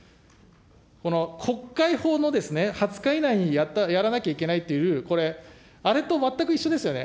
この国会法の２０日以内にやらなきゃいけないというルール、これ、あれと全く一緒ですよね。